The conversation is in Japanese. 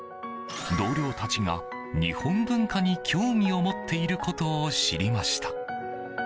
同僚たちが日本文化に興味を持っていることを知りました。